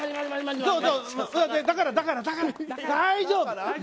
だからだから大丈夫。